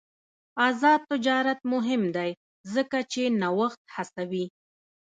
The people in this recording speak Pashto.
آزاد تجارت مهم دی ځکه چې نوښت هڅوي.